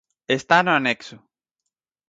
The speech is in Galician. Está no anexo.